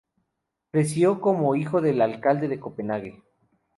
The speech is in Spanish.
Creció como hijo del Alcalde de Copenhague.